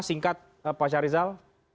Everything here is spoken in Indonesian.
singkat pak syahrizal